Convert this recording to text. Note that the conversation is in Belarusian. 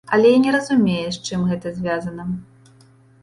Але я не разумею, з чым гэта звязана.